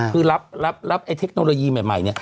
คือรับเทคโนโลยีใหม่